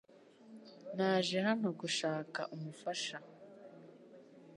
Naje hano gushaka umufasha .